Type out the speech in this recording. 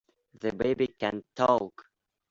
The baby can TALK!